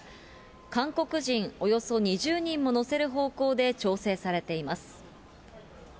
韓国人およそ２０人も乗せる方向で調整されています。